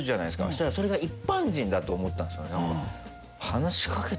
そしたらそれが一般人だと思ったんですよね。